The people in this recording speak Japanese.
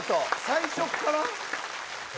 最初っから？